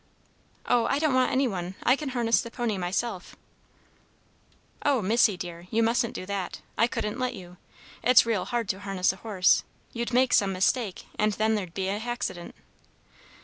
"Oh, I don't want any one. I can harness the pony myself." "Oh, Missy, dear, you mustn't do that! I couldn't let you. It's real hard to harness a horse. You'd make some mistake, and then there'd be a haccident."